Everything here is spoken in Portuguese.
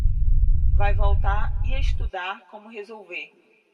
Vai voltar e estudar como resolver